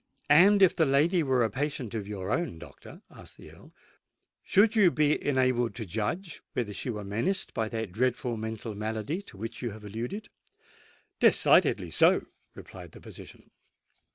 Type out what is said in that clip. "And if the lady were a patient of your own, doctor," asked the Earl, "should you be enabled to judge whether she were menaced by that dreadful mental malady to which you have alluded?" "Decidedly so," replied the physician.